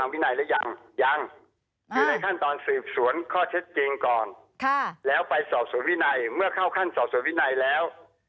ว่าเท็จจริงก่อนแล้วไปสอบส่วนวินัยเมื่อเข้าขั้นสอบส่วนวินัยแล้ว